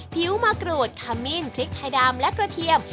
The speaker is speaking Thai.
ผิวมะกรูดขมิ้นพริกไทยดำและกระเทียม